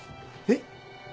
えっ？